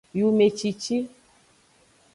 Yumecici.